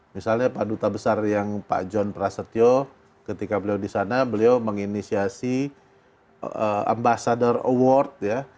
misalnya pak duta besar yang pak john prasetyo ketika beliau di sana beliau menginisiasi ambasador award ya